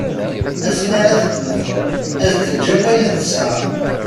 Asma ara temmet as-d-teǧǧ akk ayen tesɛa.